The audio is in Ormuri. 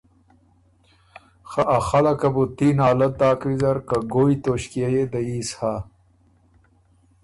خه ا خلقه بُو تی نالت داک ویزر که ګویٛ توݭکيې يې دييس هۀ